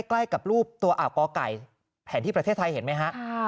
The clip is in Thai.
ใกล้กับรูปตัวอ่าวกอไก่แผนที่ประเทศไทยเห็นไหมฮะ